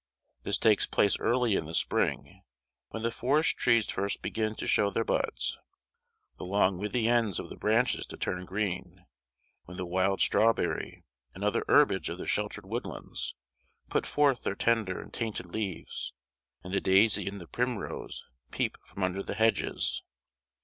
This takes place early in the spring, when the forest trees first begin to show their buds; the long withy ends of the branches to turn green; when the wild strawberry, and other herbage of the sheltered woodlands, put forth their tender and tinted leaves, and the daisy and the primrose peep from under the hedges.